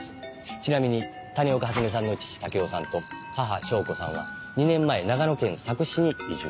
ちなみに谷岡初音さんの父丈雄さんと母祥子さんは２年前長野県佐久市に移住。